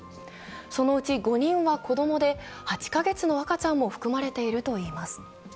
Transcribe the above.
そのうち５人は子供で、８カ月の赤ちゃんも含まれているといいます。